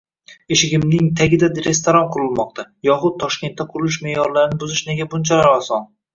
“Eshigimning tagida restoran qurilmoqda” yoxud Toshkentda qurilish me’yorlarini buzish nega bunchalar oson?